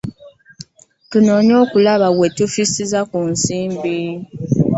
Tunoonya kulaba we tufissiza ku nsimbi.